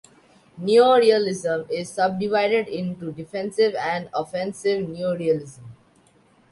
Neorealism is subdivided into defensive and offensive neorealism.